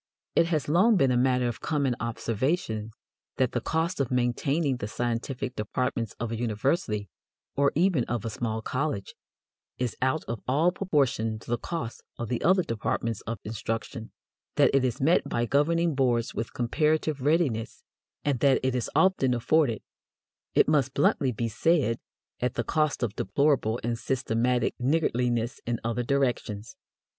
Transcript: It has long been a matter of common observation that the cost of maintaining the scientific departments of a university, or even of a small college, is out of all proportion to the cost of the other departments of instruction, that it is met by governing boards with comparative readiness, and that it is often afforded, it must bluntly be said, at the cost of deplorable and systematic niggardliness in other directions.